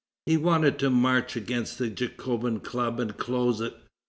He wanted to march against the Jacobin Club and close it.